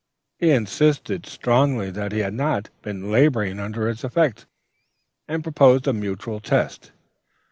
He insisted strongly that he had not been laboring under its effects, and proposed a mutual test.